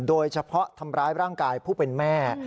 โดยเฉพาะทำร้ายร่างกายผู้เป็นแม่